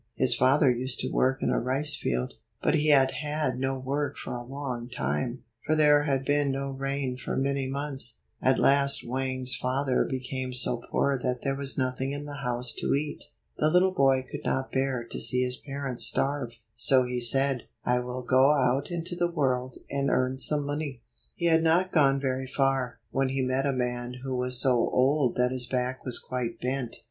His father used to work in a rice field. But he had had no work for a long time, for there had been no rain for many months. At last Wang's father became so poor that there was nothing in the house to eat. The little boy could not bear to see his parents starve, so he said, "I will go out into the world, and earn some money." He had not gone very far, when he met a man who was so old that his back was quite bent.